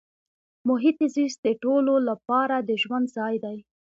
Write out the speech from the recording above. محیط زیست د ټولو لپاره د ژوند ځای دی.